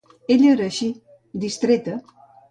Ella era així, distreta.